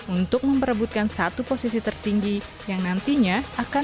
untuk memperebutkan satu posisi tertinggi yang nantinya akan